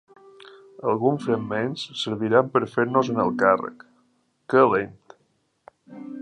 Alguns fragments serviran per fer-nos-en el càrrec: “—Que lent!